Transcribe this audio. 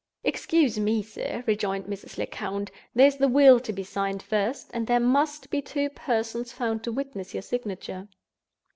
"Excuse me, sir," rejoined Mrs. Lecount, "there is the Will to be signed first; and there must be two persons found to witness your signature."